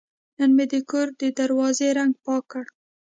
نن مې د کور د دروازې رنګ پاک کړ.